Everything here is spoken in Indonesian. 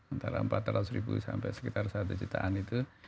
antara empat ratus ribu sampai sekitar satu jutaan itu